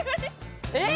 えっ！